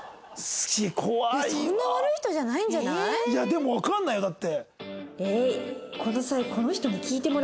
でもわかんないよだって。